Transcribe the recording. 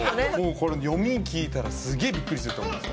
これ読み聞いたらすげぇびっくりすると思います。